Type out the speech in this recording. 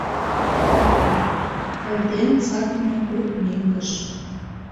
Кылден сакыме куд меҥгыш